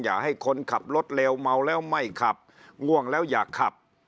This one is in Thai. อย่าให้คนขับรถเร็วเมาแล้วไม่ขับง่วงแล้วอย่าขับ